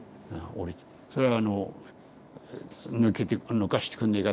それはあの「抜かしてくんねえか」